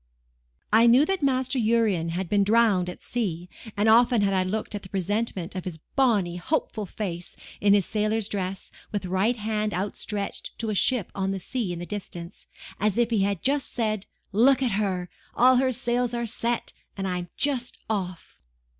I knew that Master Urian had been drowned at sea; and often had I looked at the presentment of his bonny hopeful face, in his sailor's dress, with right hand outstretched to a ship on the sea in the distance, as if he had just said, "Look at her! all her sails are set, and I'm just off."